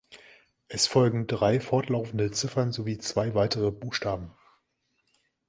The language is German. Es folgen drei fortlaufende Ziffern sowie zwei weitere Buchstaben.